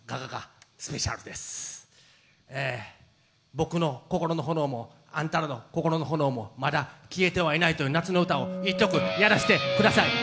僕の心の炎もあんたらの心の炎も、まだ消えてはいないという夏の歌を１曲やらせてください